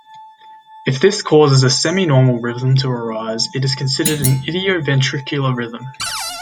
If this causes a semi-normal rhythm to arise it is considered an idioventricular rhythm.